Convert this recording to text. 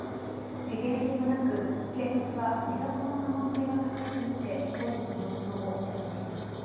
事件性はなく警察は自殺の可能性が高いとみて当時の状況を調べています。